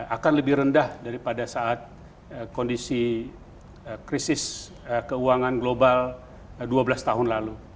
akan lebih rendah daripada saat kondisi krisis keuangan global dua belas tahun lalu